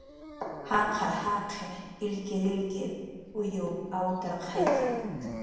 Jaqar jaqi illkirillkir uyw awtarqayki